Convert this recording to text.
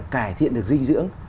cải thiện được dinh dưỡng